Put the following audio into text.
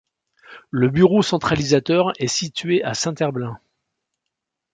Le bureau centralisateur est situé à Saint-Herblain.